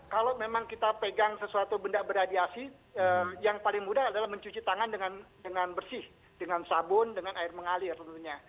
kalau memang kita pegang sesuatu benda beradiasi yang paling mudah adalah mencuci tangan dengan bersih